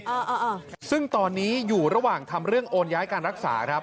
อ่าอ่าซึ่งตอนนี้อยู่ระหว่างทำเรื่องโอนย้ายการรักษาครับ